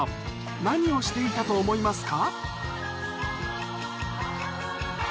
何をしていたと思いますか？